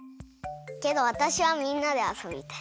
けどわたしはみんなであそびたい。